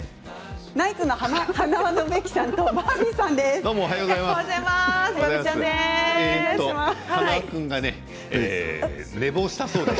ナイツの塙宣之さんとバービーさんです。